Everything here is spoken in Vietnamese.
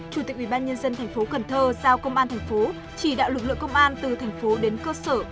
chủ tịch ủy ban nhân dân tp cần thơ giao công an thành phố chỉ đạo lực lượng công an từ thành phố đến cơ sở